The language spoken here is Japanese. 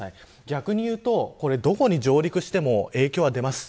逆に言うとどこに上陸しても影響は出ます。